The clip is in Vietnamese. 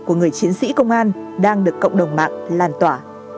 của người chiến sĩ công an đang được cộng đồng mạng lan tỏa